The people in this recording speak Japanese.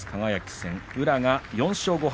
宇良が４勝５敗。